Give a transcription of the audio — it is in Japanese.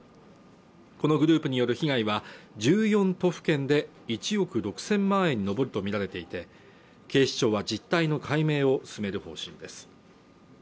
このグループによる被害は１４都府県で１億６０００万円に上るとみられていて警視庁は実態の解明を進める方針です